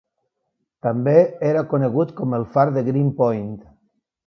També era conegut com el Far de Green Point.